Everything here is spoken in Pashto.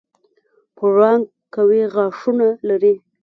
پړانګ قوي غاښونه لري.